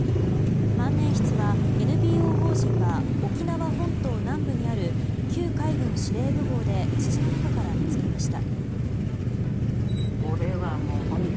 万年筆は、ＮＰＯ法人が沖縄本島南部にある旧海軍司令部壕で土の中から見つけました。